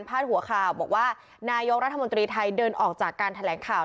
หัวข่าวบอกว่านายกรัฐมนตรีไทยเดินออกจากการแถลงข่าว